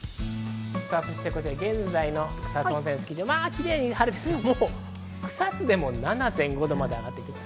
現在の草津温泉スキー場、キレイに晴れてますが、草津でも７．５度まで上がってます。